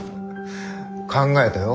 考えたよ